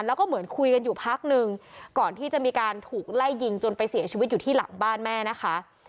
แล้วก็เหมือนคุยกันอยู่พักนึงก่อนที่จะมีการถูกไล่ยิงจนไปเสียชีวิตอยู่ที่หลังบ้านแม่นะคะ